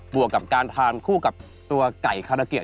วกกับการทานคู่กับตัวไก่คาราเกะ